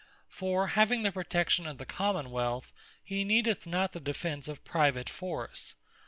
For having the protection of the Common wealth, he needeth not the defence of private force.